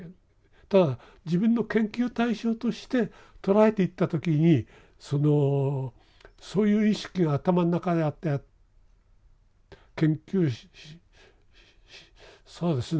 ただ自分の研究対象として捉えていった時にそのそういう意識が頭の中にあって研究そうですね